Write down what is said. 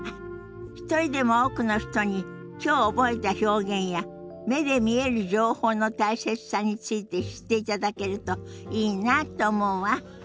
一人でも多くの人にきょう覚えた表現や目で見える情報の大切さについて知っていただけるといいなって思うわ。